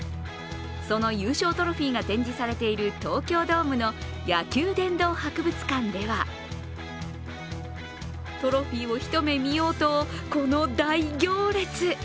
その優勝トロフィーが展示されている東京ドームの野球殿堂博物館ではトロフィーを一目見ようと、この大行列。